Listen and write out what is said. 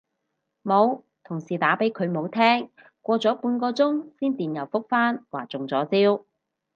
冇，同事打畀佢冇聽，過咗半個鐘先電郵覆返話中咗招